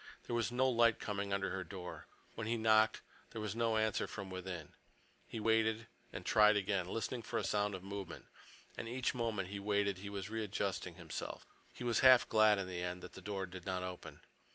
There was no light coming under her door. When he knocked, there was no answer from within. He waited, and tried again, listening for a sound of movement. And each moment he waited he was readjusting himself. He was half glad, in the end, that the door did not open.